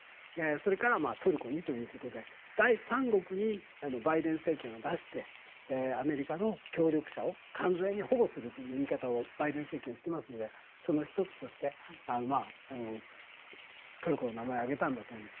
それから、トルコにということで第三国にバイデン政権は出してアメリカの協力者を完全に保護するという言い方をバイデン政権はしていますのでその１つとしてトルコの名前を挙げたんだと思います。